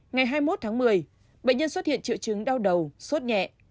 ngày hai mươi một tháng một mươi bệnh nhân xuất hiện triệu chứng đau đầu suốt nhẹ